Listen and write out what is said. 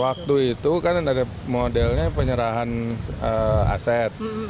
waktu itu kan ada modelnya penyerahan aset